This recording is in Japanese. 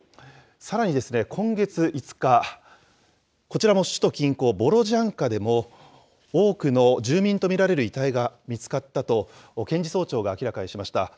さらに今月５日、こちらも首都近郊ボロジャンカでも、多くの住民と見られる遺体が見つかったと、検事総長が明らかにしました。